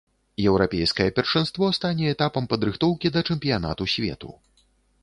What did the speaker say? Еўрапейскае першынство стане этапам падрыхтоўкі да чэмпіянату свету.